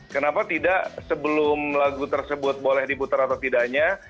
kenapa tidak sebelum lagu tersebut boleh diputar atau tidaknya